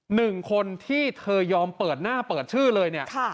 หนึ่งคนที่เธอยอมเปิดหน้าเปิดชื่อเลยเนี่ย